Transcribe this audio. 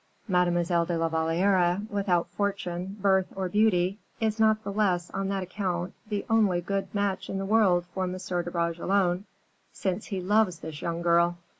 "Mademoiselle de la Valliere, without fortune, birth, or beauty, is not the less on that account the only good match in the world for M. de Bragelonne, since he loves this young girl."